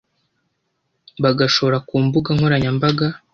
bagashora ku mbuga nkoranyambaga